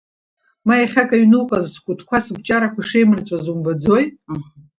Ма иахьак аҩны уҟаз, скәытқәа, сыкәҷарақәа шеимырҵәаз умбаӡои!